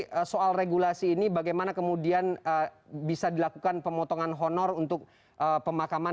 jadi soal regulasi ini bagaimana kemudian bisa dilakukan pemotongan honor untuk pemakaman